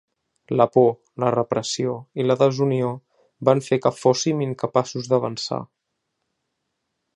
La por, la repressió i la desunió van fer que fóssim incapaços d’avançar.